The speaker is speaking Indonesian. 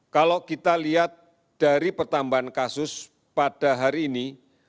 kalau kita lihat dari pertambahan kasus pada hari ini